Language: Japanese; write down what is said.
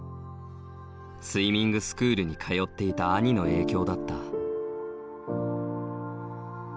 スイミングスクールに通っていた兄の影響だった。